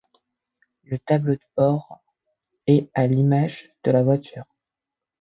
Le tableau de bord est à l'image de la voiture.